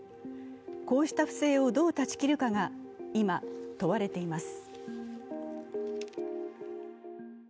こうした不正をどう断ち切るかが今、問われています。